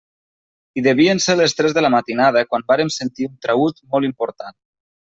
I devien ser les tres de la matinada quan vàrem sentir un traüt molt important.